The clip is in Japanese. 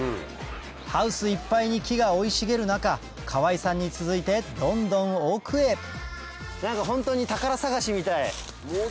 ハウスいっぱいに木が生い茂る中川合さんに続いてどんどん奥へ何かホントに。